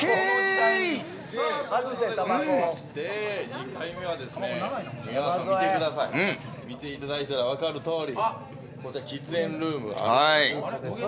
２回目は見ていただいたら分かるとおりこちら、喫煙ルーム。